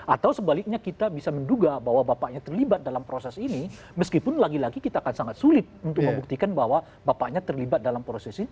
atau sebaliknya kita bisa menduga bahwa bapaknya terlibat dalam proses ini meskipun lagi lagi kita akan sangat sulit untuk membuktikan bahwa bapaknya terlibat dalam proses ini